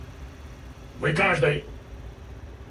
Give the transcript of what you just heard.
Вы – каждой!